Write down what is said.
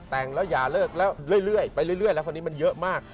แต่งแล้วอย่าเลิกแล้วเรื่อยไปเรื่อยแล้วคนนี้มันเยอะมาก